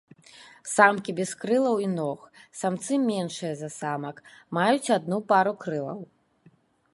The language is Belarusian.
Самкі без крылаў і ног, самцы меншыя за самак, маюць адну пару крылаў.